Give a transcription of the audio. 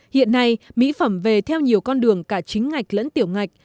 hiện nay mỹ phẩm về theo nhiều con đường cả chính ngạch lẫn tiểu ngạch